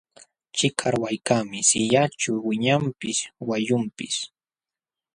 Chikarwaykaqmi sallqaćhu wiñanpis wayunpis.